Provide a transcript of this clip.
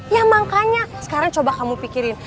ya makanya sekarang coba kamu pikirin